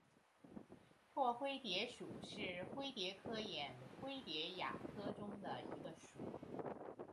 拓灰蝶属是灰蝶科眼灰蝶亚科中的一个属。